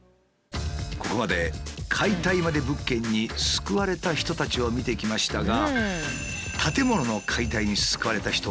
ここまで解体まで物件に救われた人たちを見てきましたが。